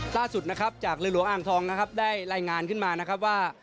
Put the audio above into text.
ล่าสุดจากเรือหลวงอ่างทองได้รายงานขึ้นมา